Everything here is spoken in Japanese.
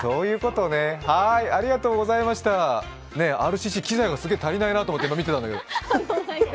ＲＣＣ、すごい機材が足りないなと思って見てたんだけど。